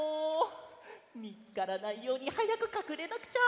みつからないようにはやくかくれなくちゃ。